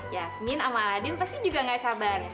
yasmin sama aladin pasti juga nggak sabar